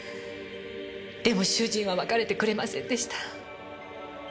でも主人は別れてくれませんでした。